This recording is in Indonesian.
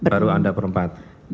baru anda berempat